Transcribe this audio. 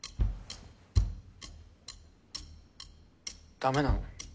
ダメなの？